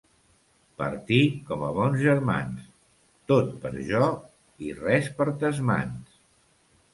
Partir com a bons germans: tot per jo i res per tes mans.